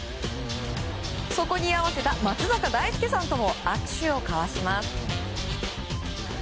そこに居合わせた松坂大輔さんとも握手を交わします。